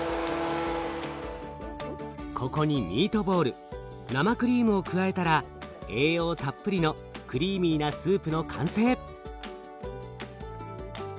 ここにミートボール生クリームを加えたら栄養たっぷりのクリーミーなスープの完成！